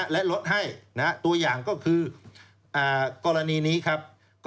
และลดให้ตัวอย่างก็คือกรณีนี้ครับ